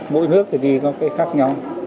mỗi nước thì đi có cái khác nhau